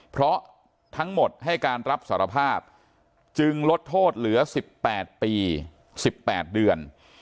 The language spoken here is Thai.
เพราะทั้งหมดให้การรับสารภาพจึงลดโทษเหลือ๑๘ปี๑๘เดือน